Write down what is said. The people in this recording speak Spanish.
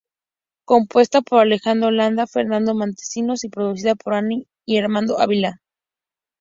Compuesta por Alejandro Landa, Fernando Montesinos y producida por Anahí y Armando Ávila.